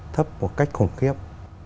thấp một cách khủng khiếp